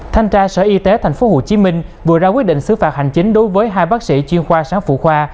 thanh tra sở y tế tp hcm vừa ra quyết định xứ phạt hành chính đối với hai bác sĩ chuyên khoa sáng phụ khoa